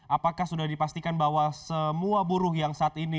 apakah sudah dipastikan bahwa semua buruh yang saat ini